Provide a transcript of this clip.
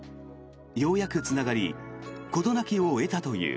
ようやくつながり事なきを得たという。